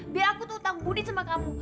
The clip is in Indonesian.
biar aku tuh utang budit sama kamu